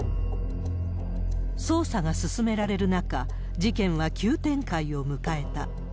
捜査が進められる中、事件は急展開を迎えた。